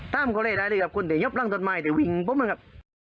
ตามเขาเลยได้เลยครับคนเดียวยับรังจัดไม้เดี๋ยววิ่งผมนะครับ